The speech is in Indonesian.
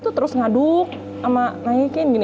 terus ngaduk sama naikin gini